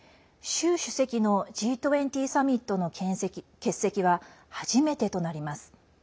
習主席のＧ２０サミットの欠席は初めてとなります。